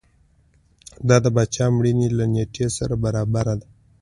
دا د پاچا مړینې له نېټې سره برابره ده.